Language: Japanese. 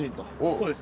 そうです。